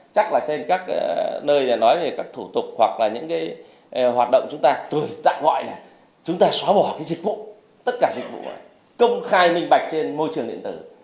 chắc là trên các nơi nói về các thủ tục hoặc là những cái hoạt động chúng ta tuổi tạm gọi là chúng ta xóa bỏ cái dịch vụ tất cả dịch vụ này công khai minh bạch trên môi trường điện tử